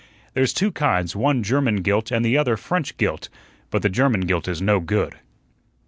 There's two kinds, one German gilt and the other French gilt; but the German gilt is no good."